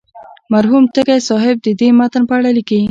مرحوم تږی صاحب د دې متن په اړه لیکي.